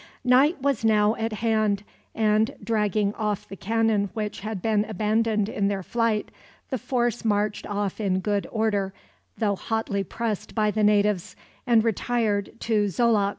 Night was now at hand and, dragging off the cannon which had been abandoned in their flight, the force marched off in good order, though hotly pressed by the natives, and retired to Xoloc.